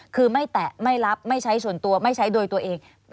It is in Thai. คือไม่แตะไม่รับไม่ใช้ส่วนตัวไม่ใช้โดยตัวเอง